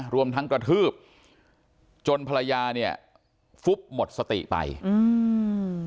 รวมทั้งกระทืบจนภรรยาเนี่ยฟุบหมดสติไปอืม